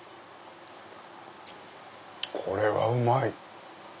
これはうまい！